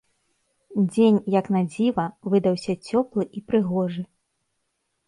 Дзень, як на дзіва, выдаўся цёплы і прыгожы.